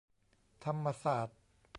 ธรรมศาสตร์